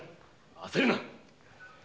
焦るな！